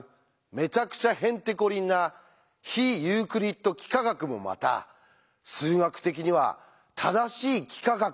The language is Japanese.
めちゃくちゃへんてこりんな非ユークリッド幾何学もまた数学的には正しい幾何学だったなんて。